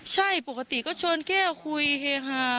ใช่ปกติก็ชวนแก้วคุยเฮฮา